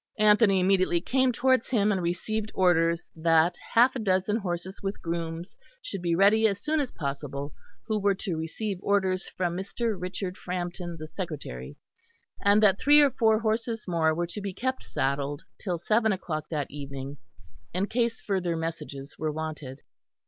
Anthony immediately came towards him and received orders that half a dozen horses with grooms should be ready as soon as possible, who were to receive orders from Mr. Richard Frampton, the secretary; and that three or four horses more were to be kept saddled till seven o'clock that evening in case further messages were wanted.